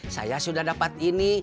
saya sudah dapat ini